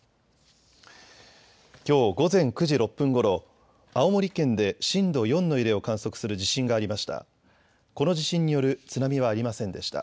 きょう午前９時６分ごろ、青森県で震度４の揺れを観測する地震がありました。